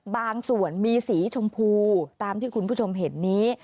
บางส่วนมีสีชมพูตามที่คุณผู้ชมเห็นนี้